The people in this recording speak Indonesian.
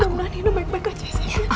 tolong nino baik baik aja ya sal